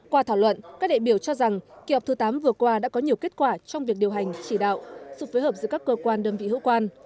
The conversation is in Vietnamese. qua thảo luận các đại biểu cho rằng kỳ họp thứ tám vừa qua đã có nhiều kết quả trong việc điều hành chỉ đạo sự phối hợp giữa các cơ quan đơn vị hữu quan